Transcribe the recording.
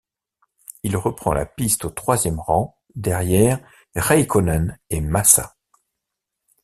Il reprend la piste au troisième rang, derrière Räikkönen et Massa.